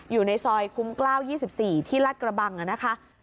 อยู่ในซอยคุ้มกล้าว๒๔ที่รัฐกระบังนะคะ